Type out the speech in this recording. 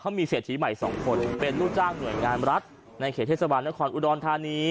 เขามีเศรษฐีใหม่สองคนเป็นลูกจ้างหน่วยงานรัฐในเขตเทศบาลนครอุดรธานี